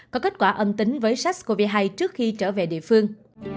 có kết quả âm tính với sars cov hai trước khi trở về địa phương